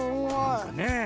なんかねえ。